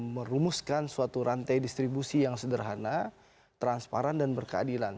merumuskan suatu rantai distribusi yang sederhana transparan dan berkeadilan